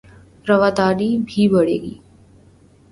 رواداری بھی بڑھے گی